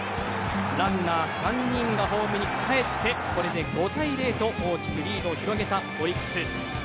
ランナー３人がホームにかえってこれで５対０と大きくリードを広げたオリックス。